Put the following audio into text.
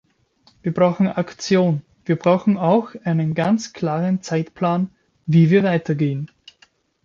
Wir brauchen Aktion, wir brauchen auch einen ganz klaren Zeitplan, wie wir weitergehen.